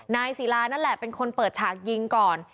นายศิลานั่นแหละเป็นคนเปิดฉากยิงก่อน